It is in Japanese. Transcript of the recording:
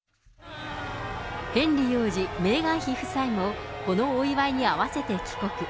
ヘンリー王子、メーガン妃夫妻も、このお祝いに合わせて帰国。